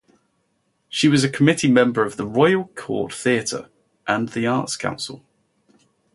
She was a committee member of the Royal Court Theatre and the Arts Council.